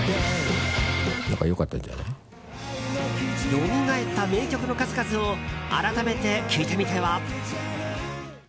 よみがえった名曲の数々を改めて聴いてみては？